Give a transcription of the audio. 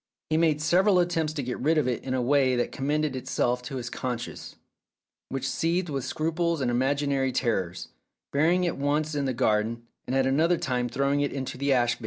He made several attempts to get rid of it in a way that commended itself to his conscience, which seethed with scruples and imaginary terrors, burying it once in the garden, and at another time throwing it into the ash bin.